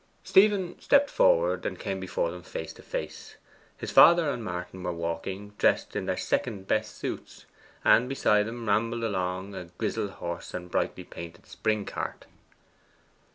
Stephen stepped forward, and came before them face to face. His father and Martin were walking, dressed in their second best suits, and beside them rambled along a grizzel horse and brightly painted spring cart.